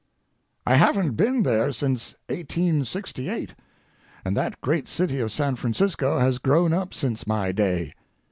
I haven't been there since 1868, and that great city of San Francisco has grown up since my day.